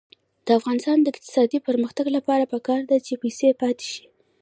د افغانستان د اقتصادي پرمختګ لپاره پکار ده چې پیسې پاتې شي.